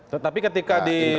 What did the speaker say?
tetapi ketika di